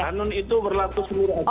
kanun itu berlaku seluruh aceh